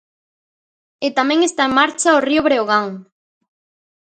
E tamén está en marcha o Río Breogán.